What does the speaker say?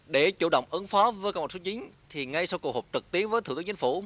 để chủ động ứng phó với cộng đồng số chín thì ngay sau cuộc hợp trực tiếp với thủ tướng chính phủ